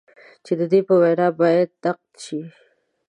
چې د ده په وینا باید نقد شي.